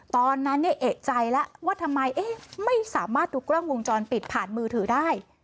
ตอนนั้นเอกใจแล้วว่าทำไมไม่สามารถดูกล้องวงจรปิดผ่านมือถือได้